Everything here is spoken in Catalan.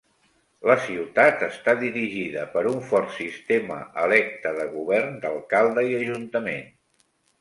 La ciutat està dirigida per un fort sistema electe de govern d'alcalde i ajuntament.